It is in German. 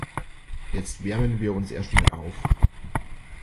Jetzt wärmen wir uns erst mal auf.